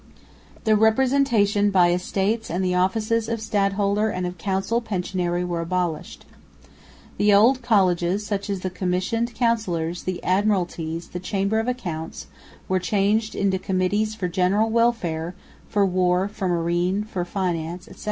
The representation by Estates and the offices of stadholder and of council pensionary were abolished. The old colleges such as the Commissioned Councillors, the Admiralties, the Chamber of Accounts, were changed into Committees for General Welfare, for War, for Marine, for Finance, etc.